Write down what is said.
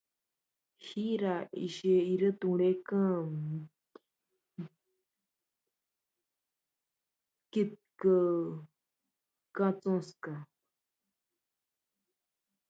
Hasta ahora han ganado el concurso diez países.